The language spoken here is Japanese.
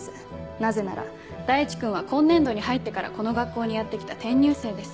なぜなら大地君は今年度に入ってからこの学校にやって来た転入生です。